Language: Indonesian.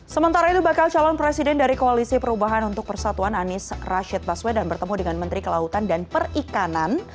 sementara itu bakal calon presiden dari koalisi perubahan untuk persatuan anies rashid baswedan bertemu dengan menteri kelautan dan perikanan